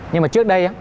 nhưng mà trước đây